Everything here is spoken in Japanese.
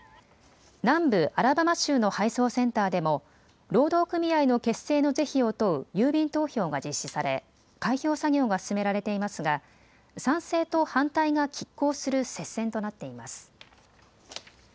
南部アラバマ州の配送センターでも労働組合の結成の是非を問う郵便投票が実施され開票作業が進められていますが賛成と反対がきっ抗する接戦となっています。